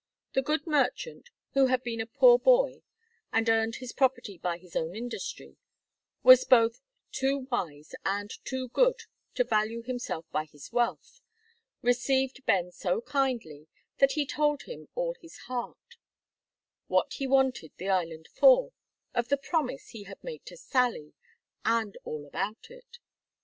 The good merchant, who had been a poor boy, and earned his property by his own industry, and was both too wise and too good to value himself by his wealth, received Ben so kindly, that he told him all his heart; what he wanted the island for, of the promise he had made to Sally, and all about it.